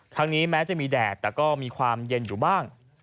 นี้แม้จะมีแดดแต่ก็มีความเย็นอยู่บ้าง